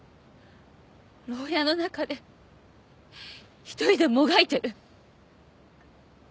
ろうやの中で一人でもがいてる。